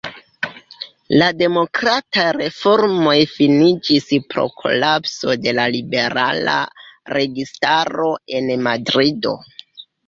La demokrataj reformoj finiĝis pro kolapso de la liberala registaro en Madrido.